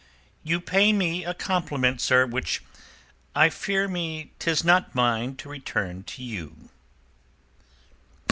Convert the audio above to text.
"You pay me a compliment, sir, which I fear me 'tis not mine to return to you."